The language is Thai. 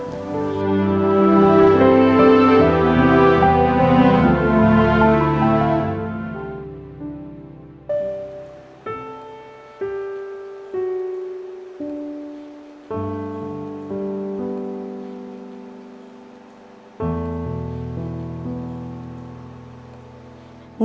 เด็กช่าย